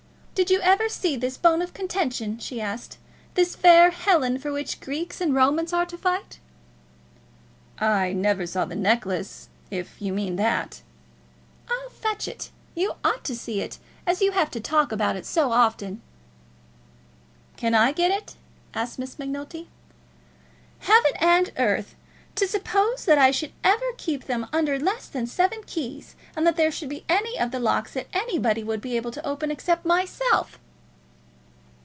"Did you ever see this bone of contention," she asked; "this fair Helen for which Greeks and Romans are to fight?" "I never saw the necklace, if you mean that." "I'll fetch it. You ought to see it, as you have to talk about it so often." "Can I get it?" asked Miss Macnulty. "Heaven and earth! To suppose that I should ever keep them under less than seven keys, and that there should be any of the locks that anybody should be able to open except myself!"